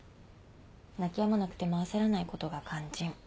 泣きやまなくても焦らないことが肝心。